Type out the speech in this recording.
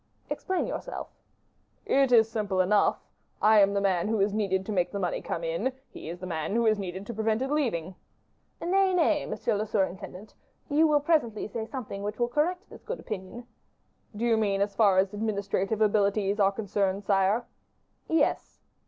"Explain yourself." "It is simple enough. I am the man who is needed to make the money come in; he is the man who is needed to prevent it leaving." "Nay, nay, monsieur le surintendant, you will presently say something which will correct this good opinion." "Do you mean as far as administrative abilities are concerned, sire?" "Yes."